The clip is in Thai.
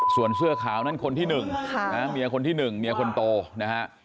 ส่วนเสื้อขาวนั้นคนที่๑เมียคนที่๑เมียคนโตนะฮะ